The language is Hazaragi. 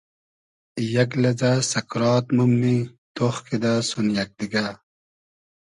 یئگ لئزۂ سئکرات مومنی تۉخ کیدۂ سون یئگ دیگۂ